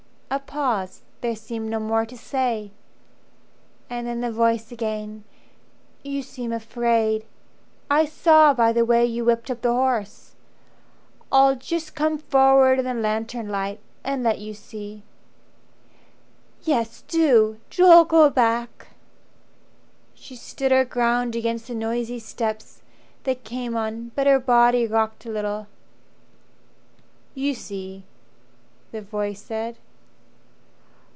A pause: there seemed no more to say. And then the voice again: "You seem afraid. I saw by the way you whipped up the horse. I'll just come forward in the lantern light And let you see." "Yes, do. Joel, go back!" She stood her ground against the noisy steps That came on, but her body rocked a little. "You see," the voice said.